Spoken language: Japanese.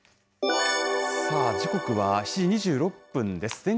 時刻は７時２６分です。